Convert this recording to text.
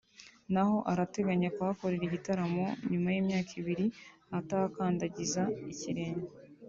naho arateganya kuhakorera igitaramo nyuma y’imyaka ibiri atahakandagiza ikirenge